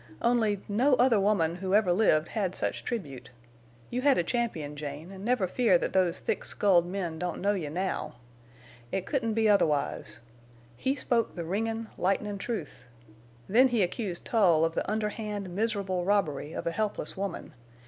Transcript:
Only—no other woman who ever lived ever had such tribute! You had a champion, Jane, an' never fear that those thick skulled men don't know you now. It couldn't be otherwise. He spoke the ringin', lightnin' truth.... Then he accused Tull of the underhand, miserable robbery of a helpless woman.